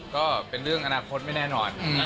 ก็เป็นเรื่องอนาคตไม่แน่นอน